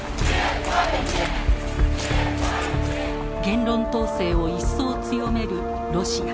言論統制を一層強めるロシア。